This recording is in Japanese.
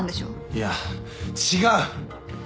いや違う！